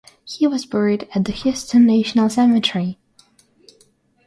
He was buried at the Houston National Cemetery.